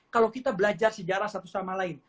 kalau kita belajar sejarah satu sama lain